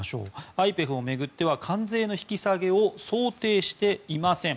ＩＰＥＦを巡っては関税の引き下げを想定していません。